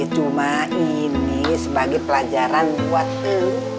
cuma ini sebagai pelajaran buat lu